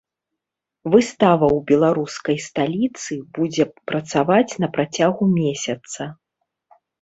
Выстава ў беларускай сталіцы будзе працаваць на працягу месяца.